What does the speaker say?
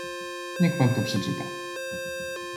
"Niech pan to przeczyta."